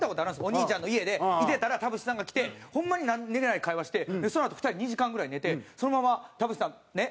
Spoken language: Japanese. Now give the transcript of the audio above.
お兄ちゃんの家でいてたら田渕さんが来てホンマに何げない会話してそのあと２人２時間ぐらい寝てそのまま田渕さんね。